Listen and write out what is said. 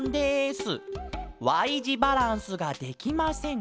Ｙじバランスができません。